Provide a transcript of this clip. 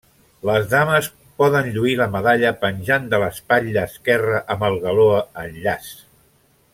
Les dames poden lluir la medalla penjant de l'espatlla esquerra amb el galó en llaç.